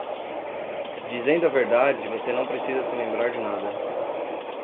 Dizendo a verdade, você não precisa se lembrar de nada.